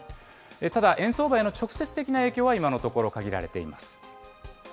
ただ、円相場への直接的な影響は今のところ、限られています。